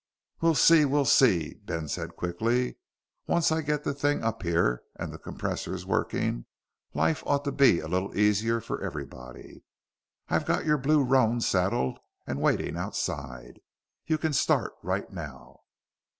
"We'll see, we'll see," Ben said quickly. "Once I get that thing up here and the compressors working, life ought to be a little easier for everybody. I've got your blue roan saddled and waiting outside. You can start right now."